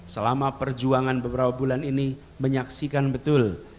selama perjuangan beberapa bulan ini menyaksikan betul